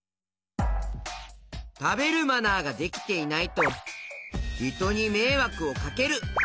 たべるマナーができていないとひとにめいわくをかける！